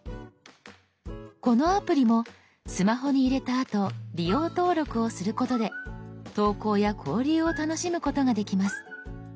このアプリもスマホに入れたあと利用登録をすることで投稿や交流を楽しむことができます。